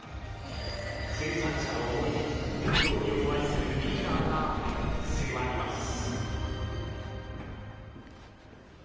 生産者の思いに、農業を愛するリーダーが迫ります。